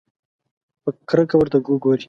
په کرکه ورته وګوري.